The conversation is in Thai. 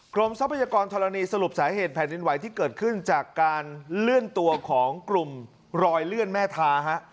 ทรัพยากรธรณีสรุปสาเหตุแผ่นดินไหวที่เกิดขึ้นจากการเลื่อนตัวของกลุ่มรอยเลื่อนแม่ทาฮะ